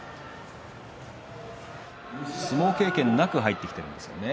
相撲経験がなく入ってきていますね。